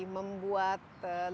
membuat lebih mudah